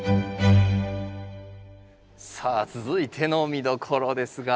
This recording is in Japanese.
さあ続いての見どころですが。